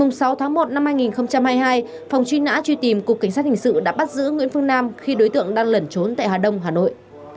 ngày sáu tháng một năm hai nghìn hai mươi hai phòng truy nã truy tìm cục cảnh sát hình sự đã bắt giữ nguyễn phương nam khi đối tượng đang lẩn trốn tại hà đông hà nội